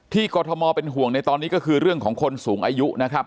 กรทมเป็นห่วงในตอนนี้ก็คือเรื่องของคนสูงอายุนะครับ